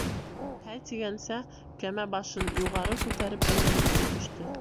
Һә тигәнсә, кәмә, башын юғары күтәреп, әйләнеп тә төштө.